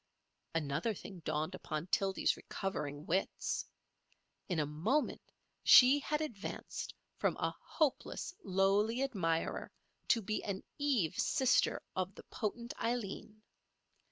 Another thing dawned upon Tildy's recovering wits. In a moment she had advanced from a hopeless, lowly admirer to be an Eve sister of the potent Aileen.